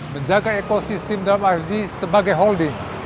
menjaga ekosistem dalam rg sebagai holding